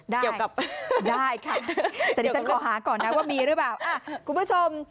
ได้ได้ค่ะแต่นี่ฉันขอหาก่อนนะว่ามีหรือเปล่าคุณผู้ชม